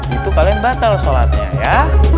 itu kalian batal sholatnya ya